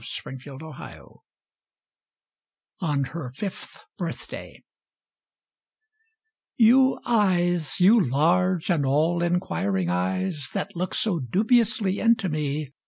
1841 FOR ARVIA ON HER FIFTH BIRTHDAY You Eyes, you large and all inquiring Eyes, That look so dubiously into me.